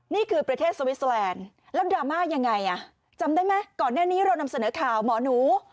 นี่คือประเทศสวิสเตอร์แลนด์แล้วดราม่ายังไงอ่ะจำได้ไหมก่อนหน้านี้เรานำเสนอข่าวหมอหนู